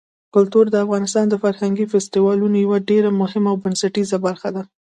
کلتور د افغانستان د فرهنګي فستیوالونو یوه ډېره مهمه او بنسټیزه برخه ده.